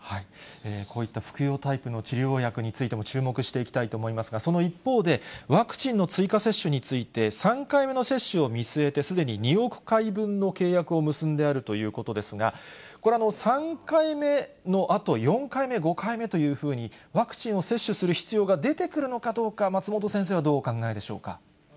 こういった服用タイプの治療薬についても注目していきたいと思いますが、その一方で、ワクチンの追加接種について、３回目の接種を見据えて、すでに２億回分の契約を結んであるということですが、これ、３回目のあと、４回目、５回目というふうに、ワクチンを接種する必要が出てくるのかどうか、松本先生はどうお考えでしょうか。